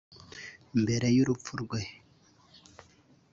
Mbere y’urupfu rwe